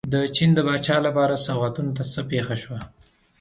د چین د پاچا لپاره سوغاتونو ته څه پېښه شوه.